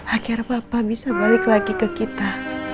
akhirnya papa bisa balik lagi ke kita